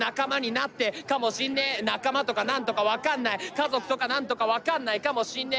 家族とかなんとか分かんないかもしんねえ。